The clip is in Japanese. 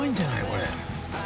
これ。